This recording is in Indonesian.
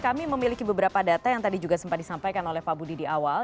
kami memiliki beberapa data yang tadi juga sempat disampaikan oleh pak budi di awal